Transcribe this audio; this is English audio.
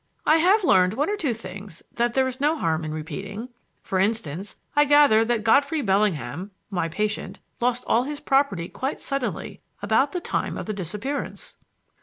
"I have learned one or two things that there is no harm in repeating. For instance, I gather that Godfrey Bellingham my patient lost all his property quite suddenly about the time of the disappearance."